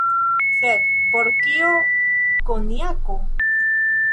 Sed por kio konjako?